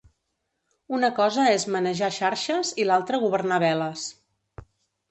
Una cosa és manejar xarxes i l'altra governar veles.